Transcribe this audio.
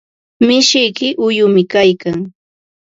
Mishiyki uyumi kaykan.